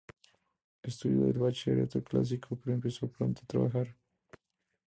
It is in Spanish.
Estudió el bachillerato clásico, pero empezó pronto a trabajar.